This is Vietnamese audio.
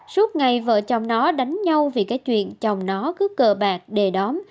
suốt ngày vợ chồng nó đánh nhau vì cái chuyện chồng nó cứ cờ bạc đề đóm